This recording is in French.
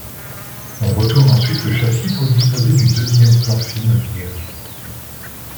On retourne ensuite le châssis pour disposer du deuxième plan-film vierge.